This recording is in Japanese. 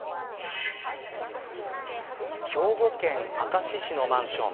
兵庫県明石市のマンション